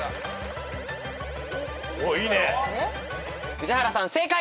宇治原さん正解！